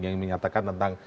yang menyatakan tentang